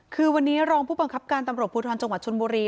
คือวันนี้รองผู้บังคับการตำรวจภูทรจังหวัดชนบุรี